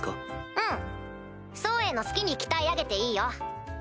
うんソウエイの好きに鍛え上げていいよ。